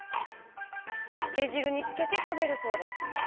つけ汁につけて食べるそうです。